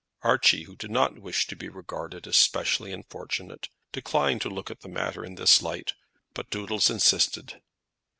Archie, who did not wish to be regarded as specially unfortunate, declined to look at the matter in this light; but Doodles insisted.